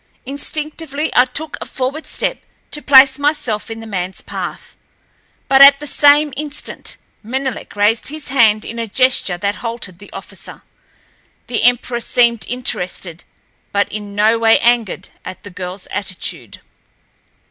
Instinctively I took a forward step to place myself in the manl's path. But at the same instant Menelek raised his hand in a gesture that halted the officer. The emperor seemed interested, but in no way angered at the girl's attitude.